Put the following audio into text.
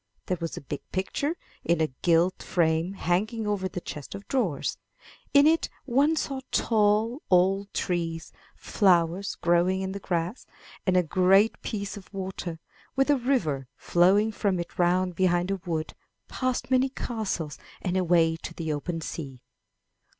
There was a big picture in a gilt frame hanging over the chest of drawers. In it one saw tall, old trees, flowers growing in the grass, and a great piece of water, with a river flowing from it round behind a wood, past many castles and away to the open sea.